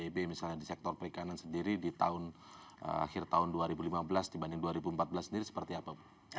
pbb misalnya di sektor perikanan sendiri di tahun akhir tahun dua ribu lima belas dibanding dua ribu empat belas sendiri seperti apa bu